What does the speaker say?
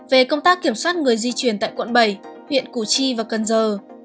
về công tác kiểm soát người di chuyển tại quận bảy huyện củ chi và cần giờ